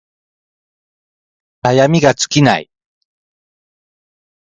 悩みが尽きない